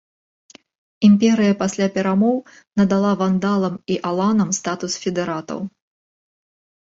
Імперыя пасля перамоў надала вандалам і аланам статус федэратаў.